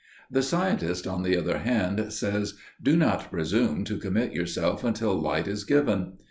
The scientist on the other hand says, 'Do not presume to commit yourself until light is given.